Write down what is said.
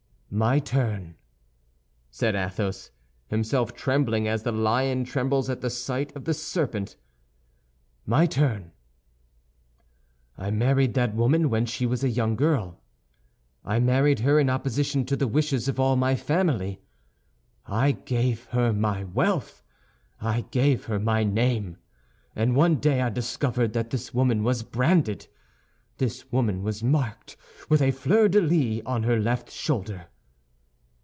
"My turn," said Athos, himself trembling as the lion trembles at the sight of the serpent—"my turn. I married that woman when she was a young girl; I married her in opposition to the wishes of all my family; I gave her my wealth, I gave her my name; and one day I discovered that this woman was branded—this woman was marked with a fleur de lis on her left shoulder."